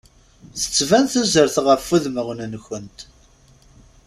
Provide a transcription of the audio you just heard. Tettban tuzert ɣef udmawen-nkent.